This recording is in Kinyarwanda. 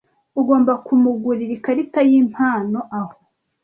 Ugomba kumugurira ikarita yimpano aho.